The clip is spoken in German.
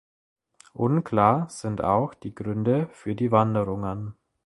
Unklar sind auch die Gründe für die Wanderungen.